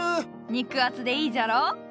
肉厚でいいじゃろ。